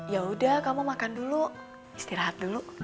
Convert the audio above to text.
yaudah kamu makan dulu istirahat dulu